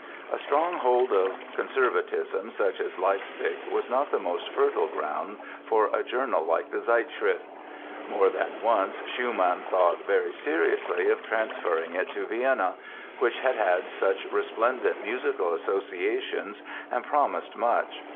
A stronghold of conservatism such as Leipzig was not the most fertile ground for a journal like the Zeitschrift. More than once Schumann thought very seriously of transferring it to Vienna, which had had such resplendent musical associations and promised much.